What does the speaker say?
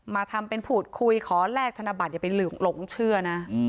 มาทำเป็นพูดคุยขอแลกธนบัตรอย่าไปลืมหลงเชื่อนะ